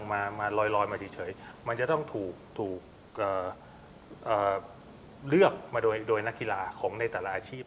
มาลอยมาเฉยมันจะต้องถูกเลือกมาโดยนักกีฬาของในแต่ละอาชีพ